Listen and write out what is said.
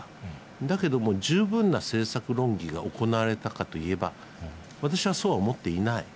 だけども十分な政策論議が行われたかといえば、私はそうは思っていない。